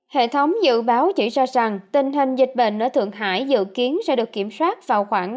hệ thống dự báo chỉ ra rằng tình hình dịch bệnh ở thượng hải dự kiến sẽ được kiểm soát vào khoảng